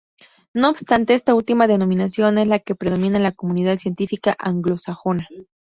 No obstante esta última denominación es la que predomina en la comunidad científica anglosajona.